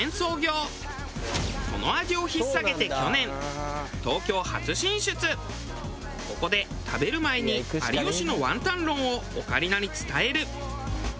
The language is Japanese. その味を引っ提げてここで食べる前に有吉のワンタン論をオカリナに伝える。